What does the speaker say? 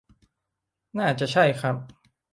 น่าจะใช่ครับ